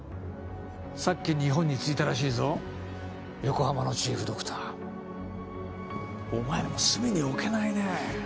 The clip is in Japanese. さっき日本に着いたらしいぞ横浜のチーフドクターお前も隅に置けないねえ